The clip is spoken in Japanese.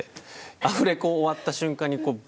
アフレコ終わった瞬間に。